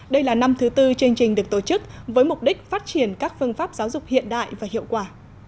đây là năm thứ tư chương trình được tổ chức với mục đích phát triển các phương pháp giáo dục hiện đại và hiệu quả